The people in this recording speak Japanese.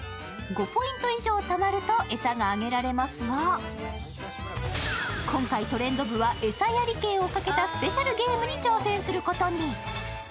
５ポイント以上たまると餌があげられますが今回、「トレンド部」はと餌やり権をかけたスペシャルゲームに挑戦することに。